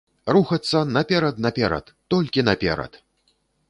Рухацца наперад-наперад, толькі наперад!